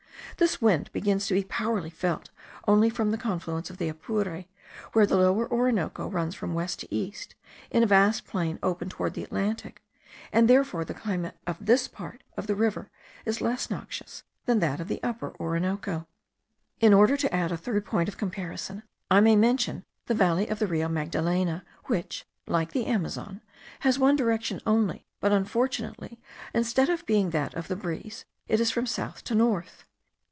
This wind begins to be powerfully felt only from the confluence of the Apure, where the Lower Orinoco runs from west to east in a vast plain open towards the Atlantic, and therefore the climate of this part of the river is less noxious than that of the Upper Orinoco. In order to add a third point of comparison, I may mention the valley of the Rio Magdalena, which, like the Amazon, has one direction only, but unfortunately, instead of being that of the breeze, it is from south to north.